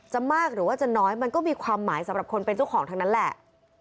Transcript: มากหรือว่าจะน้อยมันก็มีความหมายสำหรับคนเป็นเจ้าของทั้งนั้นแหละ